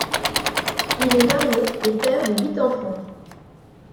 Il est marié et père de huit enfants.